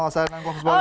saya nangkom sebagusnya